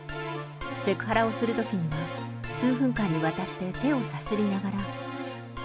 セクハラをするときには、数分間にわたって手をさすりながら。